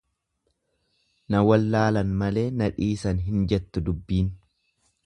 Na wallaalan malee na dhiisan hin jettu dubbiin.